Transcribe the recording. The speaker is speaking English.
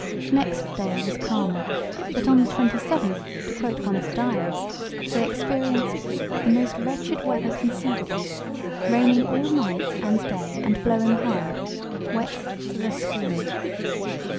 Next day was calmer, but on the 27th, to quote one of the diaries, they experienced "the most wretched weather conceivable. Raining all night and day, and blowing hard. Wet to the skin."